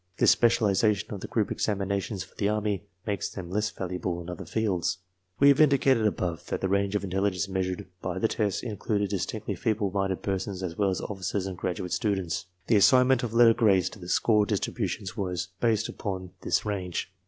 This specialization of the group exam inations for the Army makes them less valuable in other fields. We have indicated above that the range of intelligence meas ured by the tests included distinctly feeble minded persons as well as officers and graduate students. The assignment of letter grades to the score distributions was based upon this range.